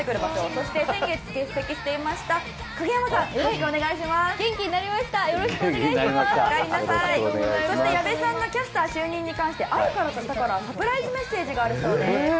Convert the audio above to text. そして矢部さんがキャプテン就任に関してある方からサプライズメッセージがあるそうです。